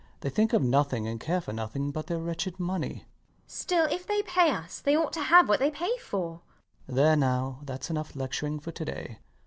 they think of nothing and care for nothing but their wretched money. MRS DUBEDAT. Still, if they pay us, they ought to have what they pay for. LOUIS [coaxing;] There now: thats enough lecturing for to day.